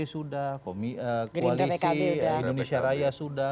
sudah koalisi indonesia raya sudah